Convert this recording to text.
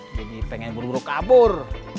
jadi pengen buru buru kabur